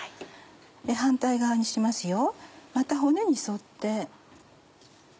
反対側にしますよまた骨に沿って。